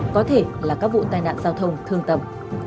có thể là các vụ tai nạn giao thông thương tầm